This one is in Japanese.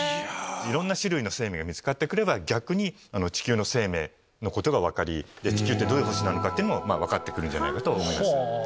いろんな種類の生命が見つかれば逆に地球の生命のことが分かり地球ってどういう星なのかも分かってくると思います。